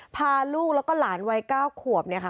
พาลูกแล้วก็หลานวัย๙ขวบ